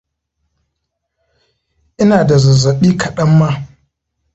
Ina da zazzaɓi kaɗan ma